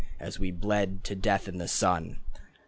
As we bled to death in the sun....